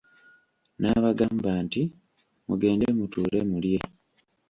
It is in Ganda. N'abagamba nti, mugende mutuule mulye.